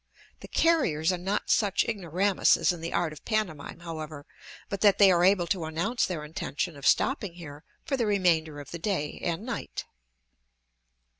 The carriers are not such ignoramuses in the art of pantomime, however, but that they are able to announce their intention of stopping here for the remainder of the day, and night.